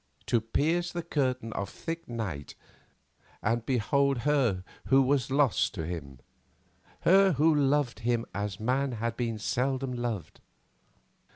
To pierce the curtain of thick night and behold her who was lost to him; her who loved him as man had been seldom loved.